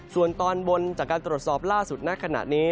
ส่วนตอนบนจากการตรวจสอบล่าสุดณขณะนี้